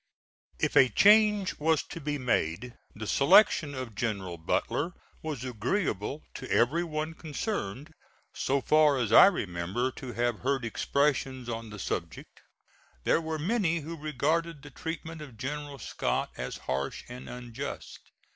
If a change was to be made the selection of General Butler was agreeable to every one concerned, so far as I remember to have heard expressions on the subject. There were many who regarded the treatment of General Scott as harsh and unjust.